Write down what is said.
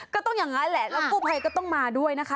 ก็ต้องยังงั้นแหละก็ต้องมาด้วยนะคะ